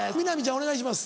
お願いします。